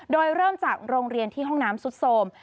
โดยเริ่มจากโรงเรียนที่ห้องน้ำซุดโสม